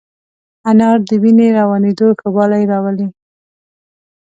انار د وینې روانېدو ښه والی راولي.